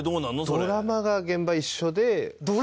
ドラマが一緒で？